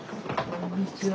・こんにちは。